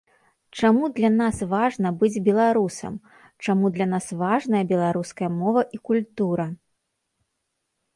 Чаму для нас важна быць беларусам, чаму для нас важная беларуская мова і культура.